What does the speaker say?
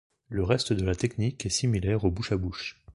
Le reste de la technique est similaire au bouche-à-bouche.